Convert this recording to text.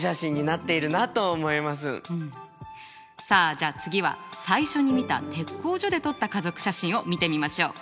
さあじゃあ次は最初に見た鉄工所で撮った家族写真を見てみましょう。